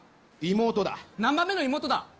妹だ何番目の妹だ？